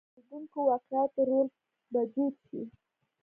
دا د پېښېدونکو واقعاتو رول به جوت شي.